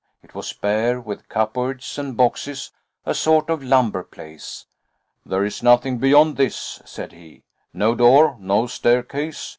It was bare, with cupboards and boxes, a sort of lumber place. "There is nothing beyond this," said he, "no door, no staircase.